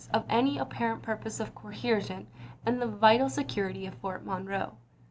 of any apparent purpose of "coercion," and the vital security of Fort Monroe.